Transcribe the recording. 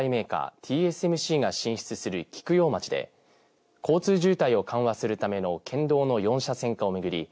ＴＳＭＣが進出する菊陽町で交通渋滞を緩和するための県道の４車線化を巡り